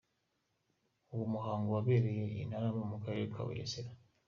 Uwo muhango wabereye i Ntarama mu Karere ka Bugesera.